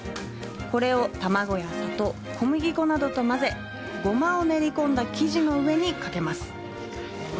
これを卵や砂糖、小麦粉などと混ぜ、ゴマを練り込んだ生地の上にかけます。